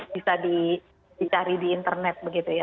bisa dicari di internet begitu ya